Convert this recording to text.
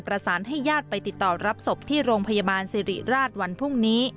ประสานให้ญาติไปติดต่อรับศพที่โรงพยาบาลสิริราชวันพรุ่งนี้